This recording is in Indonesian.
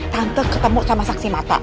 tante ketemu sama saksi mata